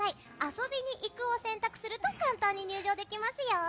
遊びに行くを選択すると簡単に入場できますよ。